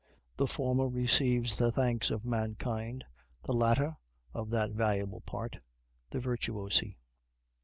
The former receives the thanks of mankind; the latter of that valuable part, the virtuosi.